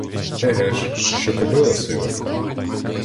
Еге ж, що кобила сива?